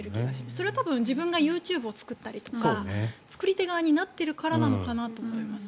それは多分、自分がＹｏｕＴｕｂｅを作ったりとか作り手側になっているからかなと思います。